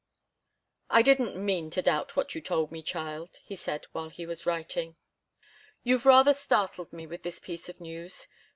"I didn't mean to doubt what you told me, child," he said, while he was writing. "You've rather startled me with this piece of news.